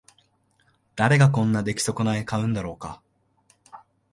誰がこんな出来損ない買うんだろうか